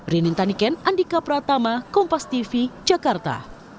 rini taniken andika pratama kompas tv jakarta